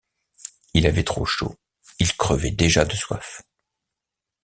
Il avait trop chaud, il crevait déjà de soif.